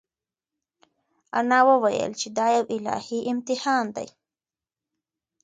انا وویل چې دا یو الهي امتحان دی.